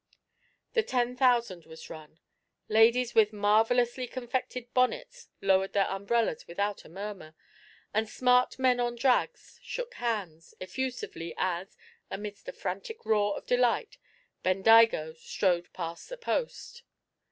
The Ten Thousand was run: ladies with marvellously confected bonnets lowered their umbrellas without a murmur, and smart men on drags shook hands effusively as, amidst a frantic roar of delight, Bendigo strode past the post.